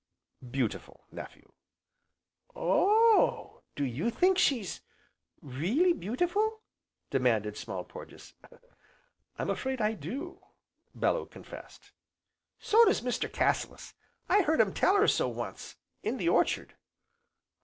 "Beautiful, nephew." "Oh! Do you think she's really beautiful?" demanded Small Porges. "I'm afraid I do," Bellew confessed. "So does Mr. Cassilis, I heard him tell her so once in the orchard."